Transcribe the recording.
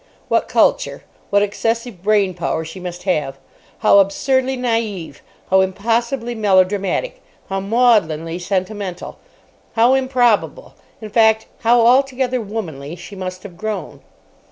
What culture, what excessive brain power she must have. How absurdly naïve, how impossibly melodramatic, how maudlinly sentimental, how improbable—in fact, how altogether womanly she must have grown.